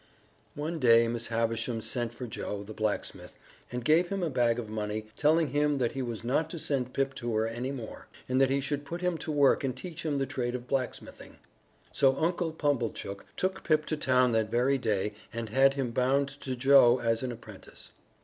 One day Miss Havisham sent for Joe, the blacksmith, and gave him a bag of money, telling him that he was not to send Pip to her any more, but that he should put him to work and teach him the trade of blacksmithing. So Uncle Pumblechook took Pip to town that very day and had him bound to Joe as an apprentice.